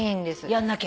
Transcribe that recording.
やんなきゃ。